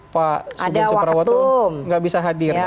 pak sugeng seperawatum gak bisa hadir